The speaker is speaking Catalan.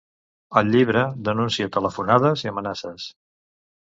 al llibre denuncia telefonades i amenaces